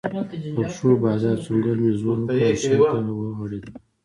پر پښو، بازو او څنګلو مې زور وکړ او شا ته ورغړېدم.